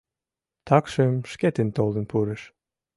Такшым шкетын толын пурыш.